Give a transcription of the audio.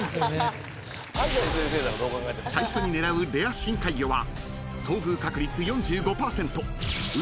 ［最初に狙うレア深海魚は］